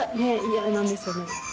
嫌なんですよね。